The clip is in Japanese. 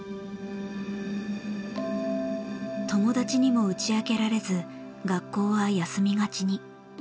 友達にも打ち明けられず学校は休みがちに。